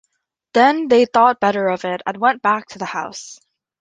Then they thought better of it, and went back to the house.